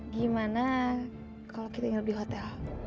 gimana kalau kita ingin lebih hotel